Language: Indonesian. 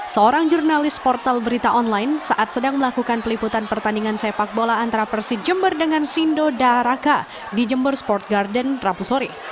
seorang jurnalis portal berita online saat sedang melakukan peliputan pertandingan sepak bola antara persi jember dengan sindo daharaka di jember sport garden rabu sore